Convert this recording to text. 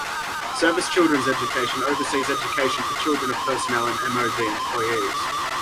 Service Children's Education oversees education for children of personnel and MoD employees.